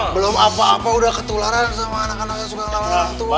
belum apa apa udah ketularan sama anak anak yang suka melawan orang tua